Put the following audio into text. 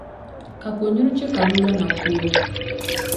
ka konyuri chɛ ka bɛ lɔna kuui.